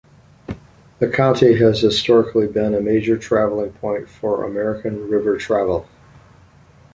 The county has historically been a major traveling point for American river travel.